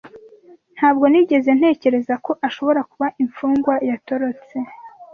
Ntabwo nigeze ntekereza ko ashobora kuba imfungwa yatorotse.